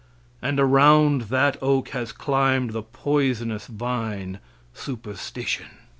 And around that oak has climbed the poisonous vine, superstition.